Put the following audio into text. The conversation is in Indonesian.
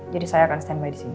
jadi saya akan stand by di sini